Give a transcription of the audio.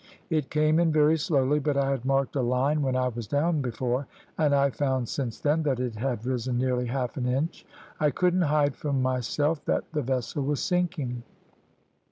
It came in very slowly, but I had marked a line when I was down before, and I found since then that it had risen nearly half an inch. I couldn't hide from myself that the vessel was sinking.